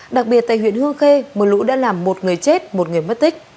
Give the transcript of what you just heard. đặc biệt tại huyện hương khê mưa lũ đã làm một người chết một người mất tích